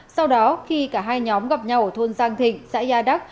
sau đó khi cả hai nhóm gặp nhau ở thôn giang thịnh xã gia đắc